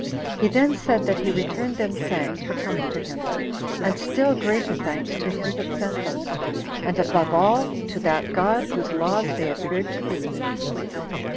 He then said that he returned them thanks for coming to him, and still greater thanks to him that sent them; and, above all, to that God whose laws they appeared to be.